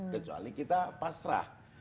kecuali kita pasrah